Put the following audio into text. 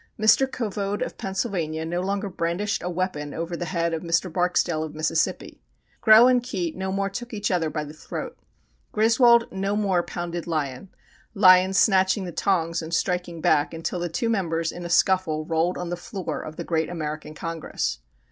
Mr. Covode of Pennsylvania, no longer brandished a weapon over the head of Mr. Barksdale of Mississippi. Grow and Keitt no more took each other by the throat. Griswold no more pounded Lyon, Lyon snatching the tongs and striking back until the two members in a scuffle rolled on the floor of the great American Congress.